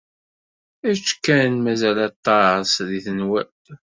Ečč kan. Mazal aṭas deg tenwalt.